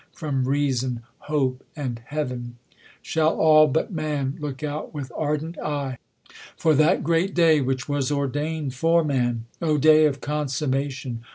from reason, hope, and heaven ! Shall all, but man, look out with ardent eye. For that great day, w^hich was ordain'd for man ? "O day of consummation